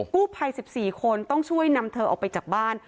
กู้ภัย๑๔คนต้องช่วยนำเธอออกไปจากบ้าน